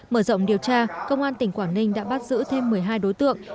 mở rộng điều tra công an tỉnh quảng ninh đã bắt giữ thêm một mươi hai đối tượng